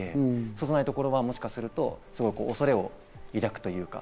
そうじゃないところは、もしかするとそういう恐れを抱くというか